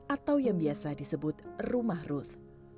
atau yang biasa disebut rumah ruth